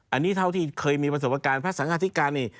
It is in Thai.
อันนี้เท่าที่เคยมีประสบการณ์พระสังฆาธิการนี่